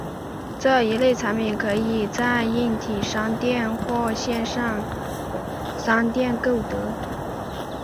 这一类产品可以在硬体商店或线上商店购得。